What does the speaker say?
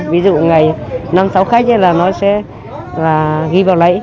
ví dụ ngày năm sáu khách là nó sẽ ghi vào lấy